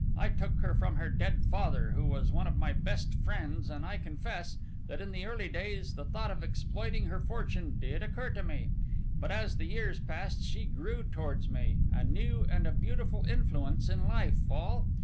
I took her from her dead father, who was one of my best friends, and I confess, that in the early days the thought of exploiting her fortune did occur to me. But as the years passed she grew towards me a new and a beautiful influence in life, Fall.